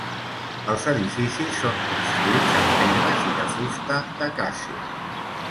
Els edificis són construïts amb pedres i de fusta d'acàcia.